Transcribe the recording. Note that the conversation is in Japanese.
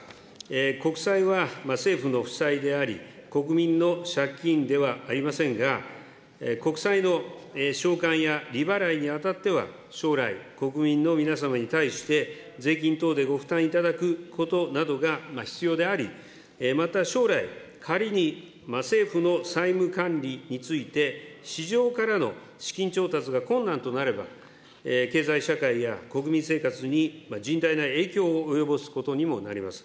国債は政府の負債であり、国民の借金ではありませんが、国債の償還や利払いにあたっては、将来、国民の皆様に対して、税金等でご負担いただくことなどが必要であり、また将来、仮に政府の債務管理について市場からの資金調達が困難となれば、経済社会や国民生活に甚大な影響を及ぼすことにもなります。